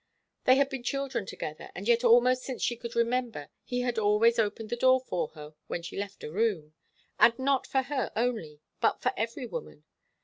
They had been children together, and yet almost since she could remember he had always opened the door for her when she left a room. And not for her only, but for every woman.